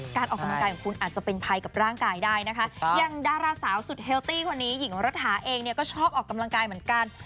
การออกกำลังกายของคุณอาจจะเป็นภัยกับร่างกายได้นะคะอย่างดาราสาวสุดเฮลตี้คนนี้หญิงรัฐาเองเนี่ยก็ชอบออกกำลังกายเหมือนกัน